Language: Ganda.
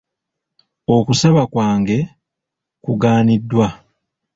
Okusaba kwange kugaaniddwa.